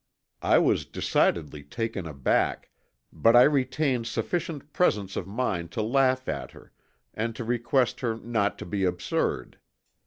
I was decidedly taken aback, but I retained sufficient presence of mind to laugh at her and to request her not to be absurd.